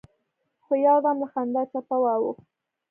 خو يودم له خندا چپه واوښت.